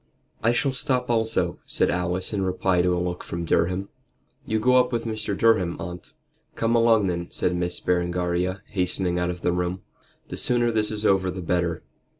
"I shall stop also," said Alice in reply to a look from Durham. "You go up with Mr. Durham, aunt." "Come along then," said Miss Berengaria, hastening out of the room; "the sooner this is over the better.